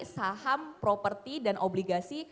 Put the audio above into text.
saham properti dan obligasi